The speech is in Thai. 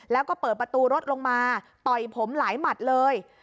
แล้วก็เปิดประตูรถลงมาต่อยผมหลายหมัดเลย